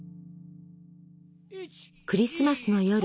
クリスマスの夜。